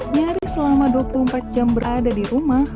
nyaris selama dua puluh empat jam berada di rumah